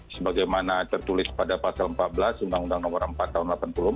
sebagaimana tertulis pada pasal empat belas undang undang nomor empat tahun seribu sembilan ratus delapan puluh empat